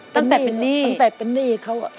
ตั้งแต่เป็นหนี้